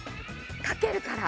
かけるから。